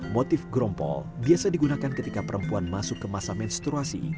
motif gerompol biasa digunakan ketika perempuan masuk ke masa menstruasi